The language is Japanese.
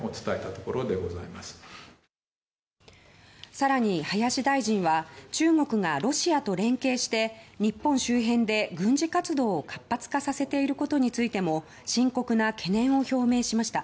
更に、林大臣は中国がロシアと連携して日本周辺で軍事活動を活発化させていることについても深刻な懸念を表明しました。